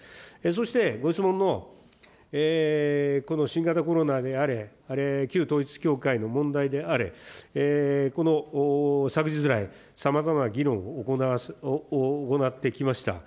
そして、ご質問の、この新型コロナであれ、旧統一教会の問題であれ、この昨日来、さまざまな議論を行ってきました。